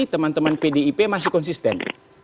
teman teman pdip masih konsisten